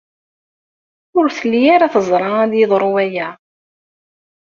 Ur telli ara teẓra ad yeḍru waya.